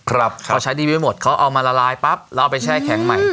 เขาใช้ดีไม่หมดเขาเอามาละลายปั๊บแล้วเอาไปแช่แข็งใหม่